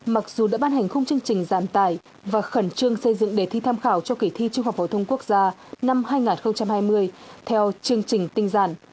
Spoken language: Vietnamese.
mặc dù đã ban hành khung chương trình giảm tài và khẩn trương xây dựng đề thi tham khảo cho kỳ thi trung học phổ thông quốc gia năm hai nghìn hai mươi theo chương trình tinh giản